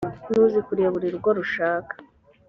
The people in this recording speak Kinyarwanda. n uzikuriye buri rugo rushaka